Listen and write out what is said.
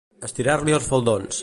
Estirar-li els faldons.